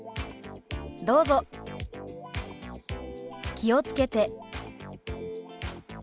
「気をつけて」。